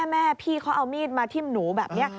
แม่พี่เขาเอามีดมาทิ้มหนูแบบนี้